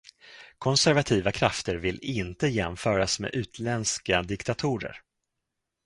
Konservativa krafter vill inte jämföras med utländska diktatorer.